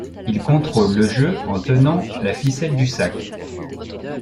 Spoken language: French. Il contrôle le jeu en tenant la ficelle du sac.